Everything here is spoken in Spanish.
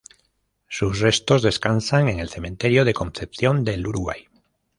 Sus restos descansan en el Cementerio de Concepción del Uruguay.